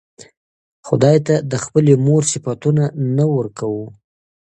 خداى ته د خپلې مور صفتونه نه ورکوو